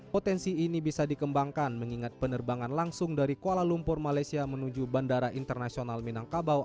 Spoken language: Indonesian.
potensi ini bisa dikembangkan mengingat penerbangan langsung dari kuala lumpur malaysia menuju bandara internasional minangkabau